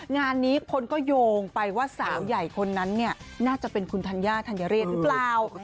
งานนี้คนก็โยงไปว่าสาวใหญ่คนนั้นเนี่ยน่าจะเป็นคุณธัญญาธัญเรศหรือเปล่า